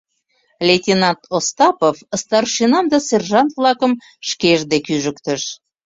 Лейтенант Остапов старшинам да сержант-влакым шкеж дек ӱжыктыш.